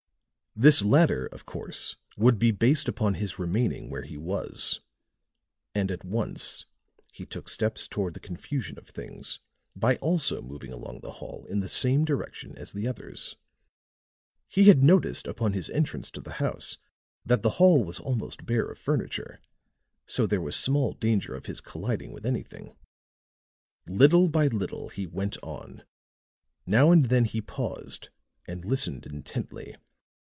This latter, of course, would be based upon his remaining where he was; and at once he took steps toward the confusion of things by also moving along the hall in the same direction as the others. He had noticed upon his entrance to the house that the hall was almost bare of furniture, so there was small danger of his colliding with anything. Little by little he went on; now and then he paused and listened intently.